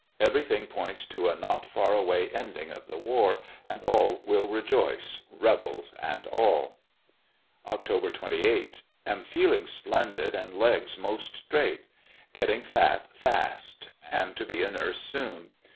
Every thing points to a not far away ending of the war, and all will re joice, rebels and all. Oct. 28. — Am feeling splendid, and legs most straight. Getting fat fast. Am to be a nurse soon.